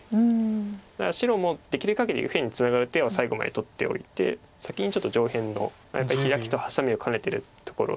だから白もできるかぎり右辺にツナがる手を最後まで取っておいて先にちょっと上辺のやっぱりヒラキとハサミを兼ねてるところ。